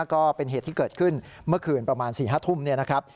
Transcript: ก็เป็นเหตุที่เกิดขึ้นเมื่อคืนประมาณ๔๕ทุ่มเนี่ยนะครับ